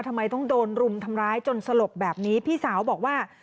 ทำไมต้องโดนรุมทำร้ายจนสลบแบบนี้พี่สาวบอกว่า